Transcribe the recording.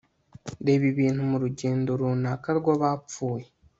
reba ibintu murugendo runaka rw'abapfuye